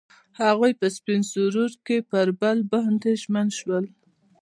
هغوی په سپین سرود کې پر بل باندې ژمن شول.